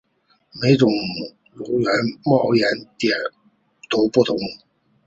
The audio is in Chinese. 每种油种的冒烟点都不同。